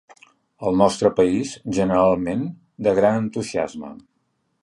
En el nostre país, generalment, de gran entusiasme.